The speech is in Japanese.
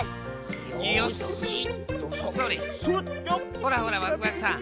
ほらほらワクワクさんどう？